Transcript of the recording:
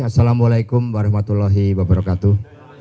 assalamualaikum warahmatullahi wabarakatuh